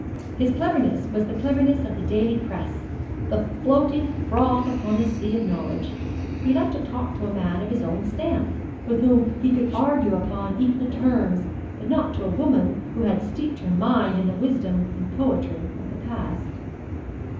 His cleverness was the cleverness of the daily press the floating froth upon the sea of knowledge. He liked to talk to a man of his own stamp, with whom he could argue upon equal terms; but not to a woman who had steeped her mind in the wisdom and poetry of the past.